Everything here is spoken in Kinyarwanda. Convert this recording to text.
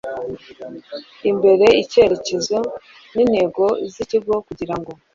imbere icyerekezo n intego z ikigo kugira